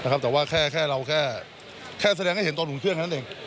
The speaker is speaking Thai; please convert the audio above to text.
แต่ว่าแค่เราแค่แสดงให้เห็นตอนหุ่นเครื่องเท่านั้นเอง